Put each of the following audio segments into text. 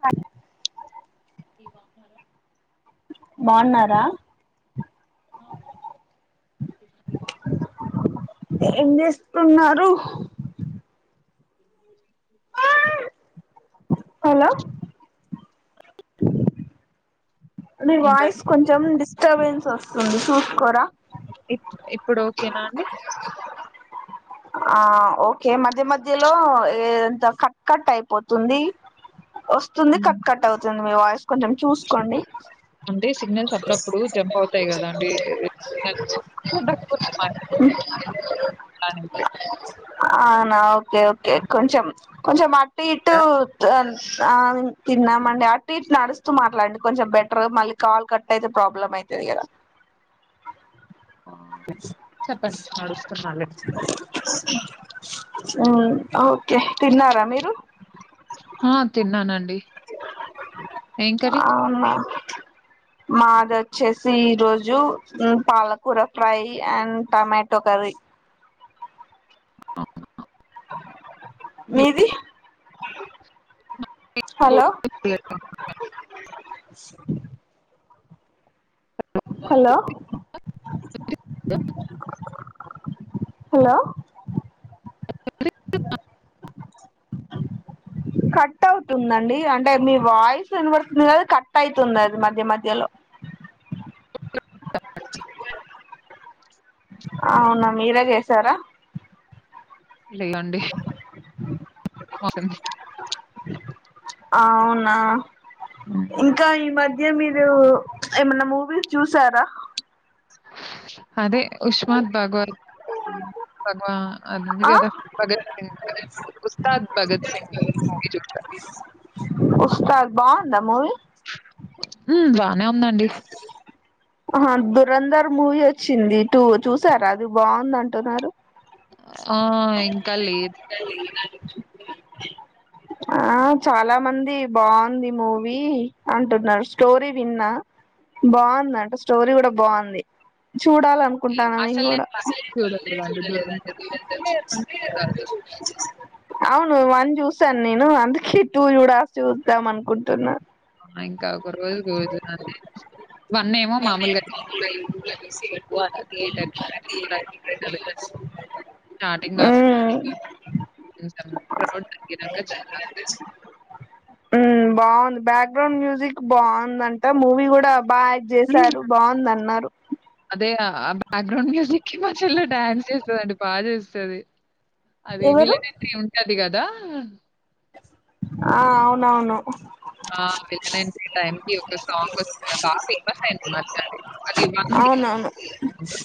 తన ఇ [unintelligible] బాగున్నార అ [unintelligible] తున్నారు ఇ హలో [inaudible] మీ వాయిస్ ఏంటండి? కొంచెం డిస్టబెన్స్ వస్తుంది చూస్ కోరా ఇ ఇప్పుడు ఓకేనా అండి ఆ ఓకే మధ్య మధ్యలో ఏం దొ కట్ కట్ అయిపోతుంది వస్తుంది హ్మ్. కట్ కట్ అవుతుంది మీ వాయిస్ కొంచెం చూసుకోండి అంటే సిగ్నల్స్ అప్పుడప్పుడు జంప్ అవుతాయి గదండీ! అని అనా ఓకే ఓకే కొంచెం కొంచం అటు ఇటు ఆ తిన్నామండి ఆ అట్ ఇటు నడుస్తూ మాట్లాడండి కొంచెం బెటర్ మళ్ళీ కాల్ కట్ అయితే ప్రాబ్లమ్ అంది అయితది గదా చెప్పండి. నడుస్తున్నాలే. అవును అ [unintelligible] తిన్నారా మీరు ఆ! తిన్నానండి. ఏం కర్రీ? అవున మాది వచ్చేసి ఈ రోజు పాలకూర ఫ్రై అండ్ టమాటో కర్రీ ర్రీ మీది గో- హలో హలో హలో కట్ అవుతుందండి అంటే మీ వాయిస్ వినపడుతుంది కానీ కట్ అవుతుంది అది మధ్య మధ్యలో అవునా మీరే చేసారా [unintelligible] దండి [unintelligible] అవునా హ్మ్. ఇంకా ఈ మధ్య మీరు ఏమన్నా మూవీస్ చూసారా అదే ఉష్మాత్ భగవత్ భగవా అది ఉంది ఆ గదా భగత్ సింగ్ ఉస్తాద్ భగత్ సింగ్ చూసా ఉస్తాద్ బాగుందా మూవి ఉమ్ బానే ఉందండి ఆహ దురంధర్ మూవీ వచ్చింది టూ చూసారా అది బాగుంది అంటున్నారు ఆ ఇంకా లేదు ఆ చాలా మంది బాగుంది మూవీ అంటున్నారు స్టోరీ విన్నా బాగుందంట స్టోరీ కూడా బాగుంది ఓకే. చూడాలనుకుంటాన్నా నేను అసలు గూడా పర్లేదు చూడలేదండి. 'దురంధరం' అంటే చూడాలి అవును వన్ చూసాను నేను అందుకే టూ చూడా చూద్దాం అనుకుంటున్నా 'దురంధరం' ఇంకా ఒక రోజూకి గోవిందు [unintelligible] ఎక్కువ థియేటర్‌కి స్టార్టింగ్ కాబట్టి మ్మ్ చూశాను [unintelligible] ఉ బాగుంది బ్యాక్గ్రౌండ్ మ్యూజిక్ బాగుందంట మూవీ గూడా బాగా హ్మ్. చేసారు బాగుందన్నారు అదే ఆ బ్యాక్గ్రౌండ్ మ్యూజిక్ కి మా చెల్లె డాన్స్ చేస్తదండి బాగా చేస్తది అది ఎవరు విలన్ ఎంట్రీ ఉంటది కదా ఆ అవునవును ఆ విలన్ ఎంట్రీ టైమ్ కి ఒక సాంగ్ వస్తుంది కదా బాగా ఫేమస్ అయింది ఈ మధ్య అది [unintelligible] అవునవును అనుకుంటా.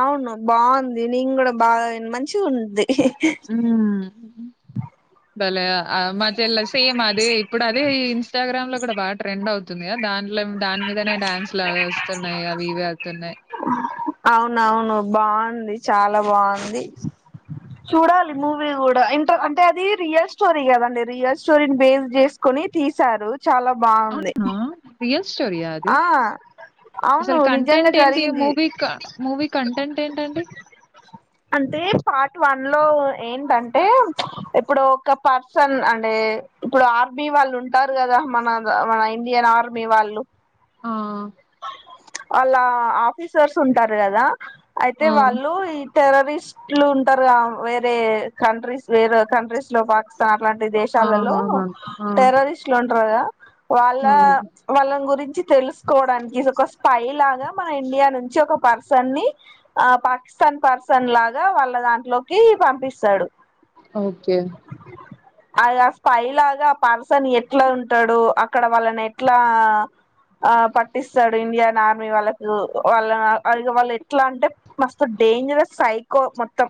అవును బాగుంది నేను కూడా బాగా మంచిగా ఉంది మ్ బలే ఆ మా చెల్లే సేమ్ అదే ఇప్పుడు అదే ఇన్స్టాగ్రామ్ లో కూడా బాగా ట్రెండ్ అవుతుందిగా దాన్ లేమ్ దాని మీదనే డ్యాన్స్ లాగాస్తున్నాయి అవి ఇవి అయితున్నాయి అవునవును బాగుంది చాలా బాగుంది చూడాలి మూవీ కూడా ఇంటర్ అంటే అది రియల్ స్టోరీ కదండి రియల్ స్టోరీని బేస్ చేసుకోని తీసారు చాలా బావుంది స్టోరియా అది అవును అసలు నిజంగా కంటెంట్ ఏంటి జరిగింది మూవీ క మూవీ కంటెంట్ ఏంటండి అంటే పార్ట్ వన్ లో ఏంటంటే ఇప్పుడు ఒక పర్సన్ అండే ఇప్పుడు ఆర్మీ వాళ్ళుంటారు కదా మన మన ఇండియన్ ఆర్మీ వాళ్ళు ఆ వాళ్ళ ఆఫీసర్స్ ఉంటారు గదా అయితే ఆ! వాళ్ళు ఈ టెరరిస్ట్లు ఉంటారుగా వేరే కంట్రీస్ వేరే కంట్రీస్ లో పాకిస్తాన్ అట్లాంటి పె ఆ! దేశాలల్లో అవునా! ఆ! టెర్రరిస్ట్లు ఉంటారుగాదా వాళ్ళ ఆ! వాళ్ళన్ గురించి తెలుసుకోవడానికి ఇది ఒక స్పై లాగా మన ఇండియా నుంచి ఒక పర్సన్ ని ఆ పాకిస్తాన్ పర్సన్ లాగా వాళ్ళ దాంట్ల లోకి పంపిస్తాడు ఓకే అద స్పై లాగా ఆ పర్సన్ ఎట్ల ఉంటాడు అక్కడ వాళ్ళన్ ఎట్లా ఆ పక్ ఇండియన్ ఆర్మీ వాళ్ళకు వాళ్ళనగ్ అల్ ఇగ వాళ్ళు ఎట్లాంటే మస్తు డేంజేరస్ సైకో మొత్తం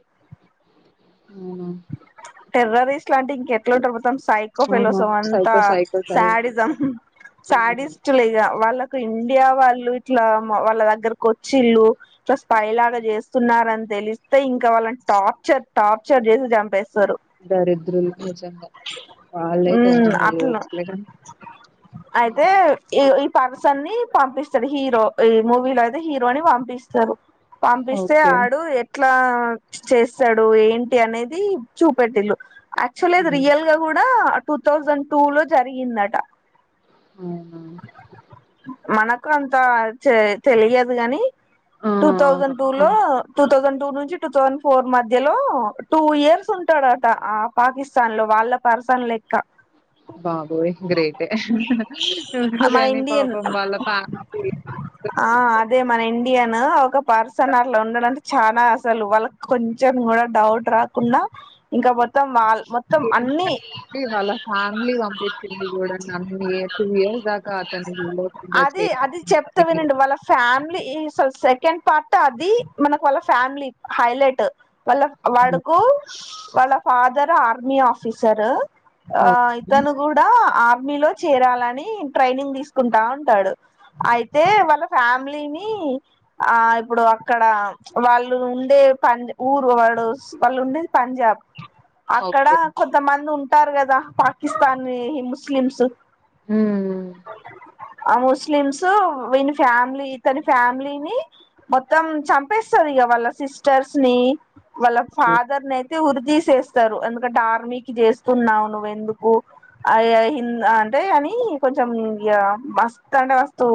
అవునా! టెర్రరిస్ట్లు లంటే ఇంకేట్లుంటారు మొ మొత్తం సైకోఫెలోస్ అవునవును. అంతా సైకో సైకో శాడిజం సైకో. హ్మ్. సాడిస్ట్ లిగా వాళ్ళక్ ఇండియా వాళ్ళు ఇట్లా మా వాళ్ళ దగ్గరకోచ్చిళ్ళు ఇట్ల స్పై లాగా చేస్తున్నారన్ తె లిస్తే ఇంకా వాళ్ళన్ టార్చర్ టార్చర్ చేసి చంపేస్ దరిద్రులు నిజంగా వాళ్ళయితే ఉమ్ ఎన్నన్నా అట్లా చేయచ్చులే కాన్ అయితే ఇగ ఇప్ తన్ని పంపిస్తాడు హీరో ఈ మూవీలో అయితే హీరోని పంపిస్తరు పంపిస్తే ఓకే. ఆడు ఎట్లా చేస్తాడు ఏంటి అనేది చూపెట్టిల్లు యాక్చువల్ ఇది హ్మ్. రియల్ గా కూడా టూ థౌజన్ టూ లో జరిగిందట అవునా! మనకు అంత చే తెలియద్ గాని ఆ! టూ థౌజన్ అవును. టూ ఆ! లో టూ థౌజన్ టూ నుంచి టూ థౌసండ్ ఫోర్ మధ్య లో టూ ఇయర్స్ ఉంటాడట ఆ పాకిస్తాన్ లో వాళ్ళ పర్సన్ లేక్ బాబోయ్ గ్రేటే ఎవరో మన గాని ఇండియన్ పాపం వాళ్ళ ఫ్యామిలీ ఆ అదే మన ఇం ఇండియన్ ఒక పర్సన్ అట్లా ఉన్నడంటే చానా అసలు వాళ్ళక్ కొంచెం కూడా డౌట్ రాకుండా ఇంకా మొత్తం వాళ్ మొత్తం అన్ని వాళ్ళ ఫ్యామిలీ పంపిచ్చింది కూడా నన్ని ఇ టూ ఇయర్స్ బాక్ అది అది చెప్తా వినండి వాళ్ళ ఫ్యామ్లీ ఈసో సెకండ్ పార్ట్ అది మనకు వాళ్ళ ఫ్యామిలీ హైలైట్ వాళ్ళ వాడ్కు వాళ్ళ ఫాదర్ ఆర్మీ ఆఫీసర్ ఆ ఓకే. ఇతను గూడా ఆర్మీలో చేరాలని ట్రైనింగ్ తీసుకుంటా ఉంటాడు అయితే వాళ్ళ ఫ్యామిలీ లిని ఆ ఇప్పుడు అక్కడ వాళ్ళు ఉండే పంద్ ఊరు వాడు వాళ్ళు ఉండేద్ పంజాబ్ అక్కడ ఓకే. కొంతమందుంటారు గదా పాకిస్తానీ ముస్లిమ్స్ ఉ ఉ ఆ ముస్లిమ్స్ వీని ఫ్యామిలీ ఇతని ఫ్యామిలీని మొత్తం చంపేస్ సరి ఇగ వాళ్ళ సిస్టర్స్ ని వాళ్ళ ఫాదర్ నే ఉరి తీసేస్తారు ఎందుకంటే ఆర్మీకి జేస్తున్నావు నువ్వు ఎందుకు ఆయయ్ హింద్ ఆ రె అని కొంచం ఇ మస్తు అంటే మస్తు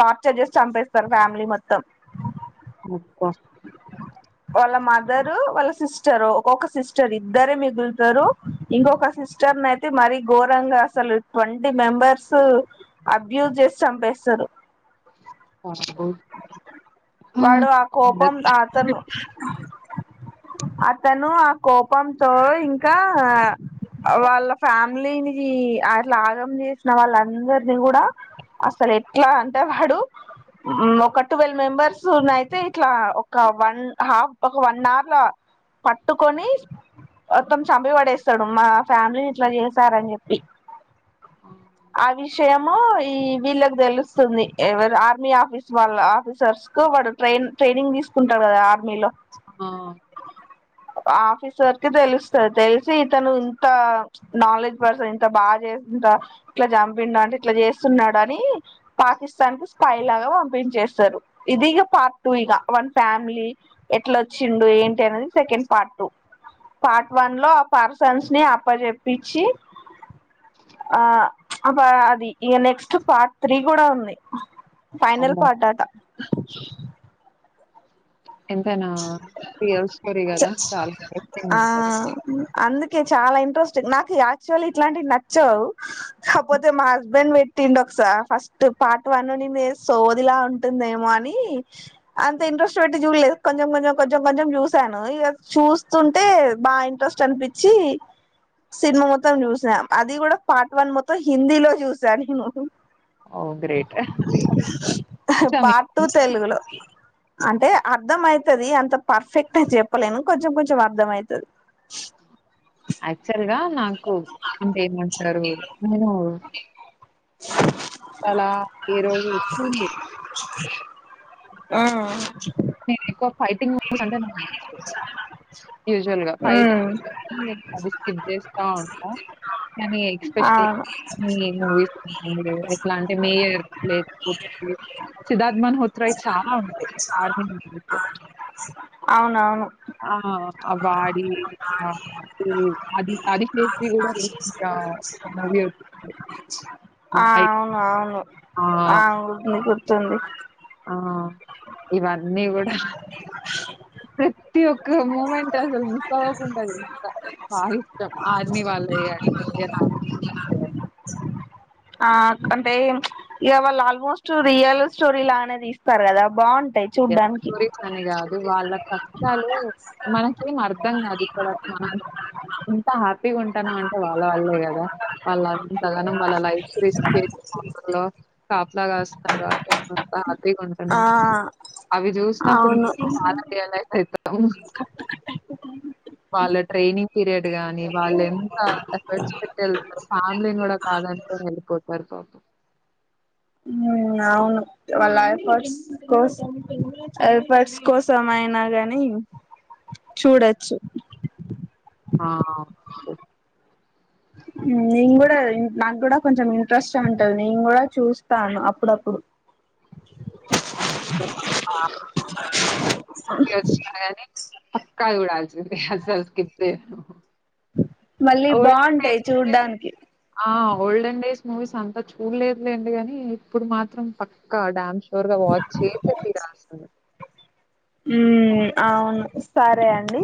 టార్చర్ చేసి చంపెస్తరు ఫ్యామిలీ మొత్తం ఓ వాళ్ళ మదర్ రు వాళ్ళ సిస్టర్ ఒక్కొక్క సిస్టర్ ఇద్దరే మిగులుతారు ఇంకొక సిస్టర్ నయితే మరి ఘోరంగా అసలు ట్వంటీ మెంబర్స్ అబ్యూజ్ జేసి చంపెస్తరు అబ్బో వాడు ఆ కోపం ఆ అతను అతను ఆ కోపంతో ఇంకా వాళ్ళ ఫ్యామిలీని అట్ల ఆగం జేసిన వాళ్ళందరినీ గూడ అసలు ఎట్ల అంటే వాడు ఒక ట్వెవెల్ మెంబర్సు నయితే అట్ల ఒక వన్ హాఫ్ ఒక వన్ అర్ ల పట్టుకొని మొత్తం చంపి పడేస్తడు మా ఫ్యామిలీని ఇట్ల జేసారని చెప్పి ఆ విషయము ఈ వీళ్ళకి తెలుస్తుంది ఎవరు ఆర్మీ ఆఫీస్ వాళ్ళ ఆఫీసర్స్ కు వాడు ట్రైం ట్రైనింగ్ తీసుకుంటా గదా ఆర్మీలో ఆ ఆఫీస్ వరకు తెలుస్తది తెలిసి ఇతను ఇంత నాలెడ్జ్ పర్సన్ ఇంత బాగా జేస్ దా ఇట్ల జంపిండంటే ఇట్ల జేస్తున్నాడని పాకిస్తాన్ కి స్పై లాగ పంపింజేస్ ఇది ఇగ ప టూ ఇగ వన్ ఫ్యామిలీ ఎట్లొచ్చిండు ఏంటి అనేది సెకండ్ పార్ట్ పార్ట్ వన్ లో ఆ పర్సన్స్ ని అప్పజెప్పిచి ఆ అది ఇ నెక్స్ట్ పార్ట్ త్రీ గూడ ఉంది పైనల్ అమ్మో! పార్ట్ అట ఎంతైనా రియల్ స్టోరీ గదా చాల ఇంట్రెస్టింగ్ ఉంటది ఇగ చాల ఇంట్రెస్టింగ్ నాకు యాక్చువల్లీ ఇట్లాంటివి నచ్చవు కాపోతే మా హస్బెండ్ విట్ ఒకస ఫస్ట్ పార్ట్ వన్ నుండి నే సోదిలా ఉంటుందేమో అని అంత ఇంట్రెస్ట్ పెట్ ఇ చూడలేదు కొంచెం కొంచెం కొంచెం గొంచెం చూశాను ఇ చూస్తుంటే బాగా ఇంట్రెస్ట్ అనిపించి ఇసినిమా మొత్తం జూస అది కూడ పార్ట్ వన్ మొత్తం హిందీలో జూసా నేను ఓహ్! గ్రేట్. నచ్చా పార్ట్ టు మీకు? తెలుగులో అంటే అర్థం ఐతది అంత పర్ఫెక్ట్ అని చెప్పలేను కొంచం కొంచం అర్తమైతది యాక్చువల్ గా నాకు అంటే ఏమంటరు నేను అలా ఏ రోజు [unintelligible] ఊమ్ నేను ఎక్కువ ఫైటింగ్ మూవీస్ అంటే నాకు నచ్చదు యూజువల్ గా ఫైట్ ఉమ్ కానీ అది స్కిబ్ జేస్తా ఉంటా కానీ ఎక్స్పెషలీ అవును మీ మూవీస్ [unintelligible] సిద్ధార్థ్ [unintelligible] త్రాయి చాల ఉంటయి ఆర్మి మూవీసు అవునవును ఆ వాడి అది అది చేసి గూడ రీసెంట్గా ఆ అవును ఆ! అవును గుర్తుంది ఆ ఇవన్ [unintelligible] ప్రతి ఒక్క మూమెంట్ అసలు మిస్ అవ్వకుండా చూస్త బాగా ఇష్టం ఆర్మీ వాళ్ [inaudible] [unintelligible] ఆ అంటే ఇగ వాళ్ళు ఆల్మోస్ట్ రియల్ స్టోరీ లానే దీస్తరు కదా బాగు ఇండియన్ చూడ్డానికి స్టోరీస్ అని కాదు వాళ్ళ కష్టాలు మనకేం అర్ధం కాదు ఇక్కడ మనం ఇంత హ్యాపీగా ఉంటనమంటే వాళ్ళ వల్లే కదా వాళ్ళు అంతగనం వాళ్ళ లైఫ్ రిస్క్ చేసి లో కాపలా కాస్తారు కాబట్టే మనమంత హ్యాపీగా ఆ ఉంటున్నాం అవి చూసినప్పుడు అవును మేము చాల రియలైజ్ అయితాము వాళ్ళ ట్రైనింగ్ పీరియడ్ గాని వాళ్ళు ఎంత ఎఫర్ట్ పెట్టి వెళ్తారు ఫ్యామిలీని కూడా కాదనుకోని వెళ్ళిపోతారు పాపం అవును వాళ్ళ ఎఫర్ట్స్ కోసం ఎల్ఫర్ట్స్ కోసం అయినా గాని చూడచ్చు ఆ! నేను కూడా నాకు కూడా కొంచెం ఇంట్రెస్ట్ ఉంటది నేను కూడా చూస్తాను అప్పుడప్పుడు [unintelligible] పక్కా చూడాల్సిందే అసలు స్కిప్ చేయను మళ్ళీ ఓల్డెన్ బాగుంటాయి డేస్ మూవీస్ చూడ్డానికి ఆ! ఓల్డెన్ డేస్ మూవీస్ అంతా చూడలేదులేండి గానీ ఇప్పుడు మాత్రం పక్క డ్యామ్ ష్యూర్ త్వరగా వాచ్ చేసితీరాలి అసలు మ్మ్ అవును సరే అండి